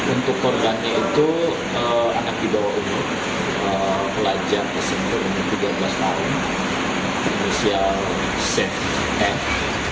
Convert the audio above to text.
untuk korbannya itu anak di bawah umur pelajar ke sini umur tiga belas tahun indonesia sif